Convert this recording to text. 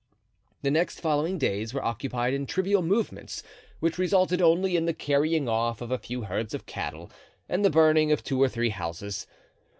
The next following days were occupied in trivial movements which resulted only in the carrying off of a few herds of cattle and the burning of two or three houses.